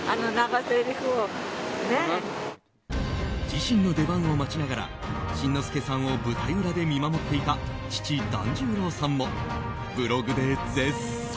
自身の出番を待ちながら新之助さんを舞台裏で見守っていた父・團十郎さんもブログで絶賛。